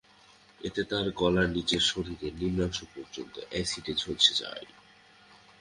এতে তাঁর গলার নিচ থেকে শরীরের নিম্নাংশ পর্যন্ত অ্যাসিডে ঝলসে যায়।